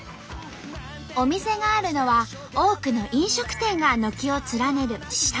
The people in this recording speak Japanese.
お店があるのは多くの飲食店が軒を連ねる下町エリア。